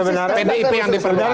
pdip yang diperluas